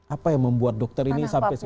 apa yang membuat dokter ini sampai sekarang